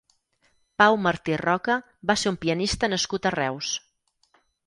Pau Martí Roca va ser un pianista nascut a Reus.